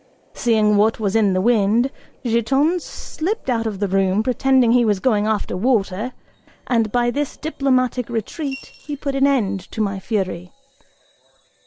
Seeing what was in the wind, Giton slipped out of the room, pretending he was going after water, and by this diplomatic retreat he put an end to my fury.